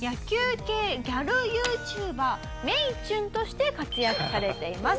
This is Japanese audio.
系ギャルＹｏｕＴｕｂｅｒめいちゅんとして活躍されています。